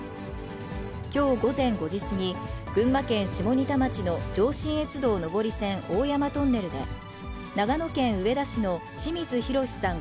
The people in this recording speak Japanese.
きょう午前５時過ぎ、群馬県下仁田町の上信越道上り線大山トンネルで、長野県上田市の清水宏さん